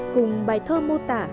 cùng bài thơ mô tả